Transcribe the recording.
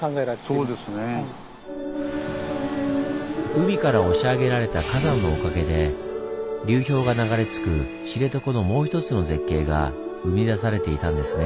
海から押し上げられた「火山」のおかげで「流氷」が流れ着く知床のもう一つの絶景が生み出されていたんですね。